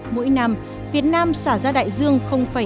mỗi năm việt nam xả ra đại dương hai mươi tám